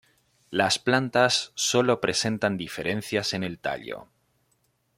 Las plantas sólo presentan diferencias en el tallo.